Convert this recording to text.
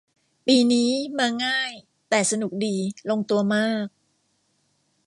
ปีนี้มาง่ายแต่สนุกดี ลงตัวมาก